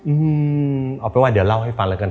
อืมเอาเป็นว่าเดี๋ยวเล่าให้ฟังแล้วกัน